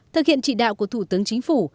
thực hiện trị đạo của thủ tướng chính phủ